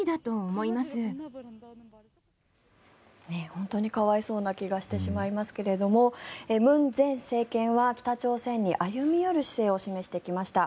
本当に可哀想な気がしてしまいますが文前政権は北朝鮮に歩み寄る姿勢を示してきました。